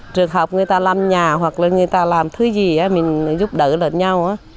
trước học người ta làm nhà hoặc là người ta làm thứ gì mình giúp đỡ lẫn nhau